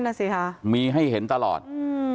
นั่นสิค่ะมีให้เห็นตลอดอืม